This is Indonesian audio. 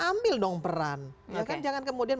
ambil dong peran jangan kemudian